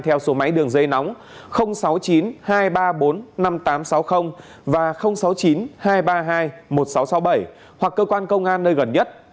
theo số máy đường dây nóng sáu mươi chín hai trăm ba mươi bốn năm nghìn tám trăm sáu mươi và sáu mươi chín hai trăm ba mươi hai một nghìn sáu trăm sáu mươi bảy hoặc cơ quan công an nơi gần nhất